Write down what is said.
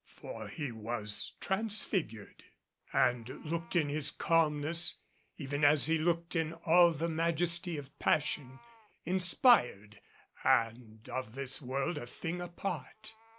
For he was transfigured, and looked in his calmness even as he looked in all the majesty of passion, inspired and of this world a thing apart.